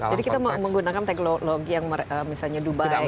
jadi kita menggunakan teknologi yang misalnya dubai gunakan